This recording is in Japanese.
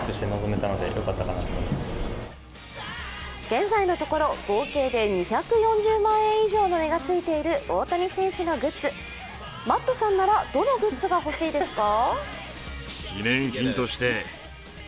現在のところ、合計で２４０万円以上の値がついている大谷選手のグッズ、マットさんならどのグッズが欲しいですか。